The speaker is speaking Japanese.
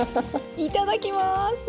いただきます。